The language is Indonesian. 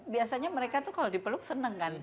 biasanya mereka tuh kalau dipeluk senang kan